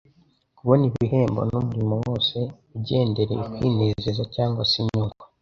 kubona ibihembo n'umurimo wose ugendereye kwinezeza cyangwa se inyungu,